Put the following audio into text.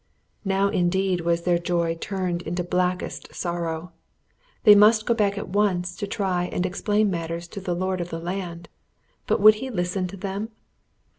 Now indeed was their joy turned into blackest sorrow. They must go back at once to try and explain matters to the lord of the land. But would he listen to them?